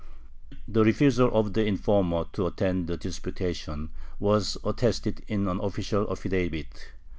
The refusal of the informer to attend the disputation was attested in an official affidavit.